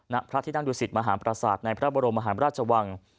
ณพระธินักยุสิตมหาปราศาสตร์ในพระบรมมหาราชวัง